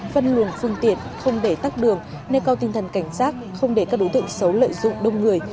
phân luồng phương tiện không để tắt đường nêu cao tinh thần cảnh sát không để các đối tượng xấu lợi dụng đông người